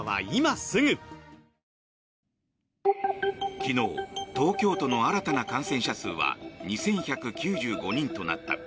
昨日東京都の新たな感染者数は２１９５人となった。